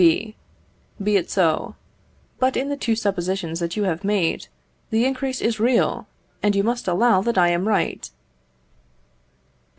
B. Be it so: but, in the two suppositions that you have made, the increase is real, and you must allow that I am right.